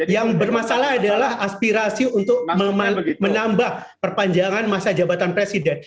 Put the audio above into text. yang bermasalah adalah aspirasi untuk menambah perpanjangan masa jabatan presiden